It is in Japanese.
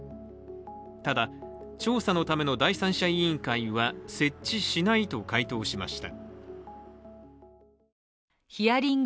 ただ、調査のための第三者委員会は設置しないと回答しました。